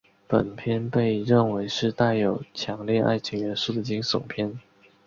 本片被认为是带有强烈爱情元素的惊悚片。